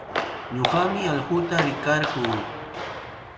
Ñuqami allquta rikarquu.